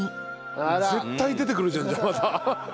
絶対出てくるじゃんじゃあまた。